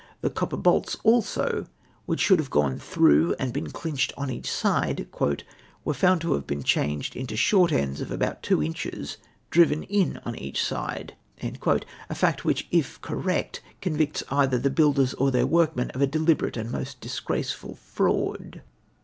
The copper bolts, also, which should have gone through and been clinched on each side, ' were found to have been changed into short ends of about two inches, driven in on each side ;' a fact whicli, if correct, convicts either the builders or their workmen of a delil)erate and most disgraceful fraud.